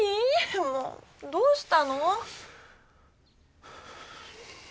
もうどうしたの？